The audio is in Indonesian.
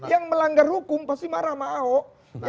yang melanggar hukum pasti marah sama ahok